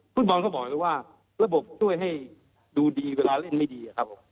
ฟุตบอลก็บอกเลยว่าระบบช่วยให้ดูดีเวลาเล่นไม่ดีครับผม